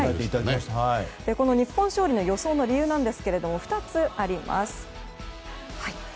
日本勝利の予想の理由ですが２つあります。